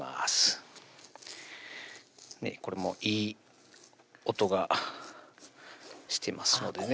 これもいい音がしてますのでね